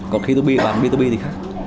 còn khi bán b hai b thì khác